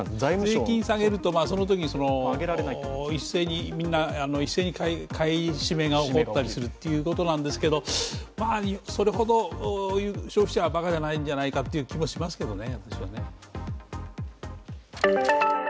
税金下げると一斉にみんな買い占めが起こったりするということなんですけどそれほど消費者はばかじゃないんじゃないかという気がしますけどね。